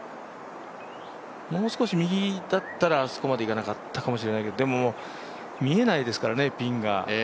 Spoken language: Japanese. もう少し右だったら、あそこまで行かなかったかもしれないですけどでも、見えないですからね、ピンが。